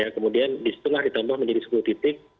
kemudian di setengah ditambah menjadi sepuluh titik